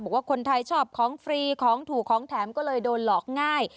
บอกว่าคนไทยชอบของฟรีของถูกของแถมก็เลยโดนหลอกง่าย